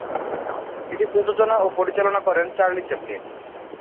এটি প্রযোজনা ও পরিচালনা করেন চার্লি চ্যাপলিন।